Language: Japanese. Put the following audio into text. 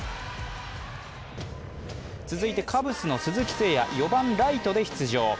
続いてカブスの鈴木誠也、４番ライトで出場。